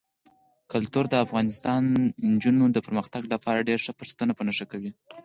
کلتور د افغان نجونو د پرمختګ لپاره ډېر ښه فرصتونه په نښه کوي.